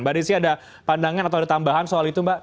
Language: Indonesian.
mbak desi ada pandangan atau ada tambahan soal itu mbak